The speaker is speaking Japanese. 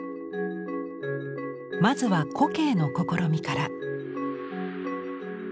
まずは古径の試みから。